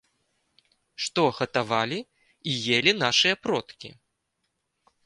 Што гатавалі і елі нашы продкі?